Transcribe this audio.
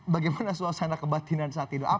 bagaimana suasana kebatinan saat ini